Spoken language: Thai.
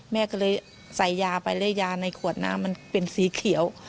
แม่ก็เลยใส่ยาไปแล้วยาในขวดน้ำมันเป็นสีเขียว